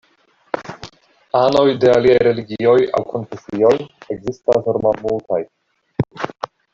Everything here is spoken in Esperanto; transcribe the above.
Anoj de aliaj religioj aŭ konfesioj ekzistas nur malmultaj.